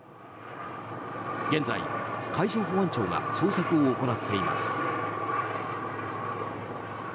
現在、海上保安庁が捜索を行っています。